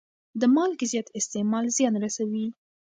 د مالګې زیات استعمال زیان رسوي.